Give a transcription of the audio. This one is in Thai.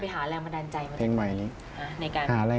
หาแรงบันดาลใจ